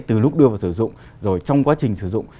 từ lúc đưa vào sử dụng rồi trong quá trình sử dụng